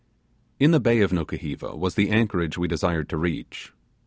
In the bay of Nukuheva was the anchorage we desired to reach.